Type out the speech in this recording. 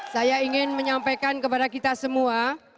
saya ingin menyampaikan kepada kita semua